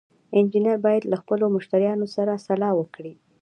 انجینر باید له خپلو مشتریانو سره سلا وکړي.